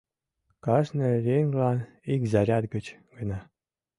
Кажне еҥлан ик заряд гыч гына.